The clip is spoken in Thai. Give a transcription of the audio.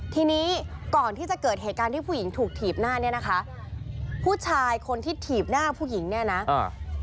ทีนี้ก่อนที่จะเกิดเหตุการณ์ที่ผู้หญิงถูกถีบหน้าเนี้ยนะคะผู้ชายคนที่ถีบหน้าผู้หญิงเนี่ยนะอ่า